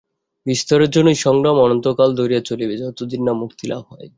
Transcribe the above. বিস্তারের জন্য এই সংগ্রাম অনন্তকাল ধরিয়া চলিবেই, যতদিন না মুক্তিলাভ হয়।